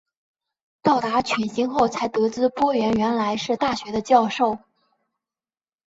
到达犬星后才得知波奇原来是大学的教授。